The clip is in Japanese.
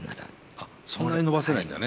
あそんなに延ばせないんだね。